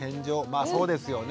まあそうですよね。